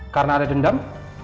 karena ada dendam